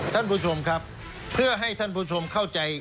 ท่านผู้ชมครับเพื่อให้ท่านผู้ชมเข้าใจ